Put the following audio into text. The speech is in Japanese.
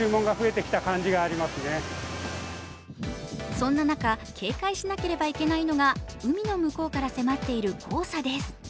そんな中、警戒しなければいけないのが海の向こうから迫っている黄砂です。